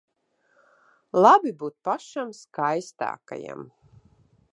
Labi būt pašam skaistākajam.